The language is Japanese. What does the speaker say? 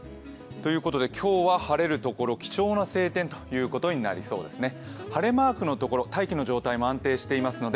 ということで、今日は晴れるところ貴重な晴天ということになりそうですね。